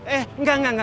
eh enggak enggak enggak